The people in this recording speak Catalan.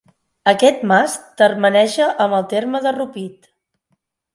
Aquest mas termeneja amb el terme de Rupit.